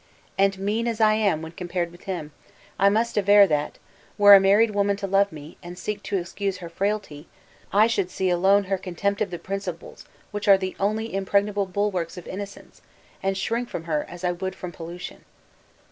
And mean as I am when compared with him, I must aver that, were a married woman to love me, and seek to excuse her frailty, I should see alone her contempt of the principles which are the only impregnable bulwarks of innocence, and shrink from her as I would from pollution."